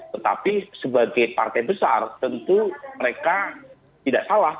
tetapi sebagai partai besar tentu mereka tidak salah